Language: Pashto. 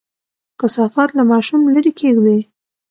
کثافات له ماشوم لرې کېږدئ.